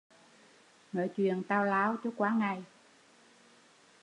Nói chuyện tào lao cho qua ngày